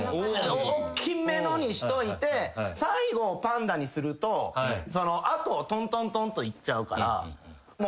大きめのにしといて最後パンダにするとあとトントントンと行っちゃうから。